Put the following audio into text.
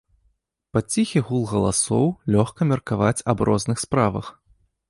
Пад ціхі гул галасоў лёгка меркаваць аб розных справах.